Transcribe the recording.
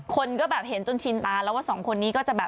คนก็แบบเห็นจนชินตาแล้วว่าสองคนนี้ก็จะแบบ